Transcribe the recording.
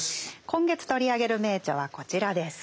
今月取り上げる名著はこちらです。